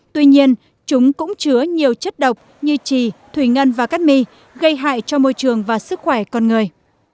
tuy nhiên chúng cũng chứa nhiều chất độc như trì thủy ngân và cắt my gây hại cho môi trường và sức khỏe con người